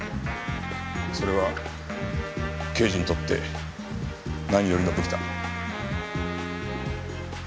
それは刑事にとって何よりの武器だ。